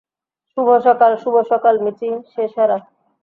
শুভ সকাল -শুভ সকাল মিচি, সে সারা।